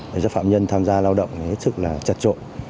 để cho phạm nhân tham gia lao động rất chặt trộn